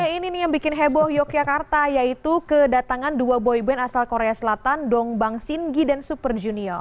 ini yang bikin heboh yogyakarta yaitu kedatangan dua boyband asal korea selatan dongbang shingi dan super junior